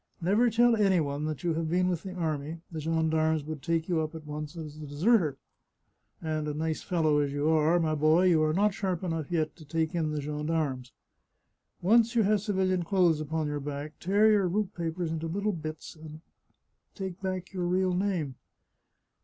Never tell any one that you have been with the army; the gendarmes would take you up at once as a deserter, and, nice fellow as you are, my boy, you are not sharp enough yet to take in the gendarmes. Once you have civilian clothes upon your back, tear your route papers into little bits, and take back your real name.